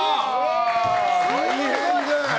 大変じゃない？